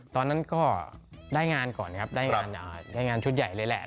ตอนนั้นก็ได้งานก่อนครับได้งานชุดใหญ่เลยแหละ